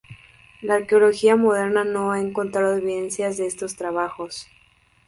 La arqueología moderna no ha encontrado evidencias de estos trabajos.